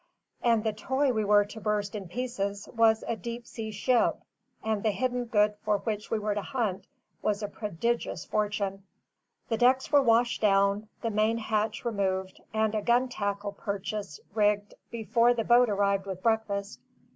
And the toy we were to burst in pieces was a deep sea ship; and the hidden good for which we were to hunt was a prodigious fortune. The decks were washed down, the main hatch removed, and a gun tackle purchase rigged before the boat arrived with breakfast.